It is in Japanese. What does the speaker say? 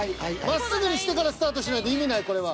まっすぐにしてからスタートしないと意味ないこれは。